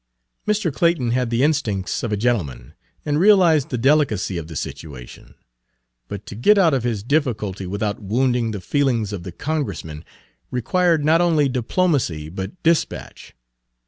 Mr. Clayton had the instincts of a gentleman, and realized the delicacy of the situation. But to get out of his difficulty without wounding the feelings of the Congressman required not only diplomacy but dispatch.